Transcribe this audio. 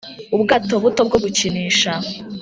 ubwato buto bwo gukinisha,